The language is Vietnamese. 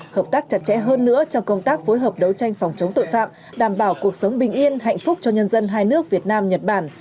hợp tác chặt chẽ hơn nữa trong công tác phối hợp đấu tranh phòng chống tội phạm đảm bảo cuộc sống bình yên hạnh phúc cho nhân dân hai nước việt nam nhật bản